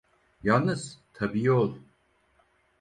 Yalnız, tabi ol…